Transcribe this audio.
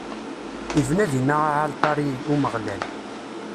Ibna dinna aɛalṭar i Umeɣlal.